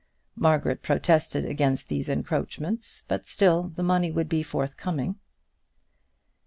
Margaret protested against these encroachments, but, still, the money would be forthcoming.